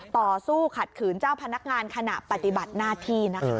ต่อสู้ขัดขืนเจ้าพนักงานขณะปฏิบัติหน้าที่นะคะ